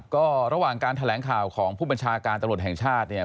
ก็ระหว่างการแถลงข่าวของผู้บัญชาการตำรวจแห่งชาติเนี่ย